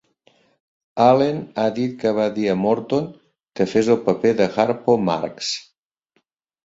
Allen ha dit que va dir a Morton que fes el paper de Harpo Marx.